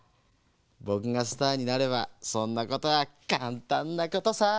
ぼくがスターになればそんなことはかんたんなことさ。